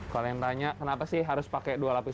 kalian tanya kenapa sih harus pakai dua lapis gini